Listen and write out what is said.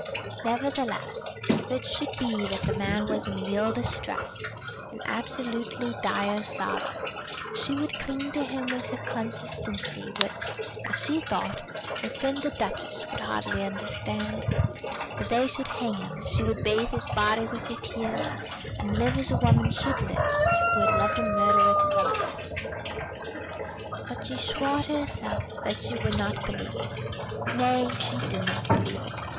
Nevertheless, if it should be that the man was in real distress, in absolutely dire sorrow, she would cling to him with a constancy which, as she thought, her friend the Duchess would hardly understand. Though they should hang him, she would bathe his body with her tears, and live as a woman should live who had loved a murderer to the last. [Illustration: "What is the use of sticking to a man who does not want you?"] But she swore to herself that she would not believe it. Nay, she did not believe it.